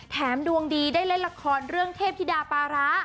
ดวงดีได้เล่นละครเรื่องเทพธิดาปาระ